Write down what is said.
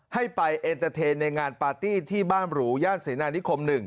ให้ไปเอ็นเตอร์เทนในงานปาร์ตี้ที่บ้านหรูย่านเสนานิคม๑